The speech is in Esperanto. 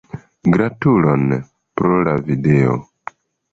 Gratulon, pro la video.